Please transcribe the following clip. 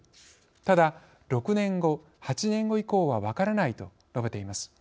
ただ、６年後、８年後以降は分からない」と述べています。